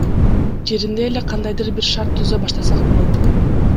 Жеринде эле кандайдыр бир шарт түзө баштасак болот.